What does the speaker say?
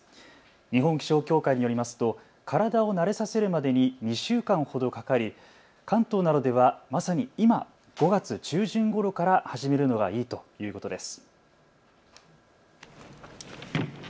日本気象協会によりますと体を慣れさせるまでに２週間ほどかかり関東などではまさに今５月中旬ごろから始めるのがいいということです。